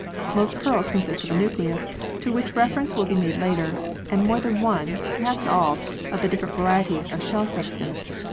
Most pearls consist of a nucleus, to which reference will be made later, and more than one, perhaps all, of the different varieties of shell substance.